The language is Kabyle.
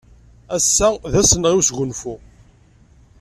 Ass-a d ass-nneɣ n wesgunfu.